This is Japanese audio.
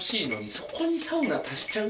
そこにサウナ足しちゃう？